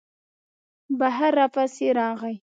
بهر را پسې راغی.